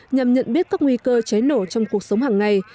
nhằm nhận biết các nguy cơ cháy nổ trong cuộc sống hàng ngày